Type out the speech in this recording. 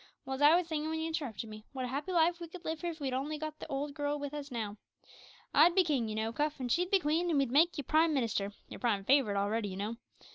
Well, as I was sayin' when you interrupted me, wot a happy life we could live here if we'd only got the old girl with us! I'd be king, you know, Cuff, and she'd be queen, and we'd make you prime minister you're prime favourite already, you know.